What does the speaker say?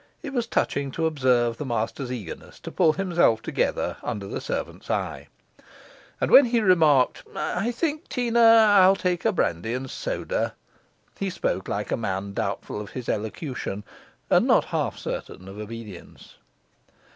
It was touching to observe the master's eagerness to pull himself together under the servant's eye; and when he remarked, 'I think, Teena, I'll take a brandy and soda,' he spoke like a man doubtful of his elocution, and not half certain of obedience.